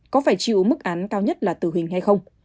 có phải chịu mức án cao nhất là tử hình hay không